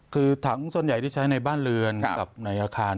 คือถังส่วนใหญ่ที่ใช้ในบ้านเรือนกับในอาคาร